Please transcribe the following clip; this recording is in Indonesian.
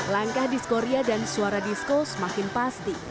langkah disco ria dan suara disco semakin pasti